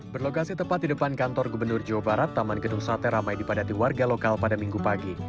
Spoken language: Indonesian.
berlokasi tepat di depan kantor gubernur jawa barat taman gedung sate ramai dipadati warga lokal pada minggu pagi